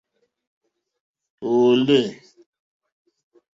Òòle.